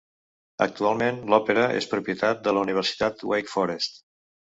Actualment l'opera i és propietat de la Universitat Wake Forest.